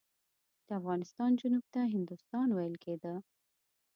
د افغانستان جنوب ته هندوستان ویل کېده.